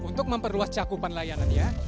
untuk memperluas cakupan layanannya